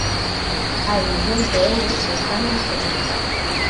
Hai millóns de euros que están nas contas.